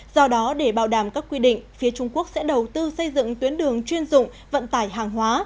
do đó để bảo đảm các quy định phía trung quốc sẽ đầu tư xây dựng tuyến đường chuyên dụng vận tải hàng hóa